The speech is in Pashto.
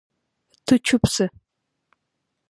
ته چپ سه